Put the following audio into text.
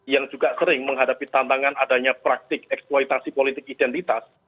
yang juga sering menghadapi pertanyaan adanya praktik eksploitasi identitas